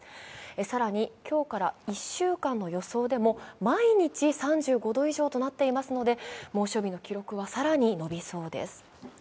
更に今日から１週間の予想でも毎日３５度以上となっていますので猛暑日の記録は更にのびそうです。